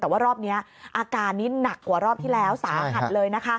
แต่ว่ารอบนี้อาการนี้หนักกว่ารอบที่แล้วสาหัสเลยนะคะ